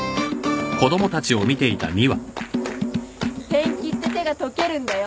ペンキって手が溶けるんだよ。